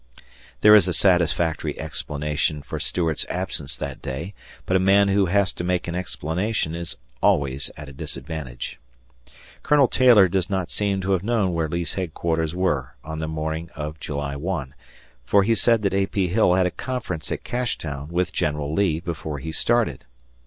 There is a satisfactory explanation for Stuart's absence that day, but a man who has to make an explanation is always at a disadvantage. Colonel Taylor does not seem to have known where Lee's headquarters were on the morning of July 1, for he said that A. P. Hill had a conference at Cashtown with General Lee before he started.